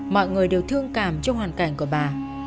mọi người đều thương cảm cho hoàn cảnh của bà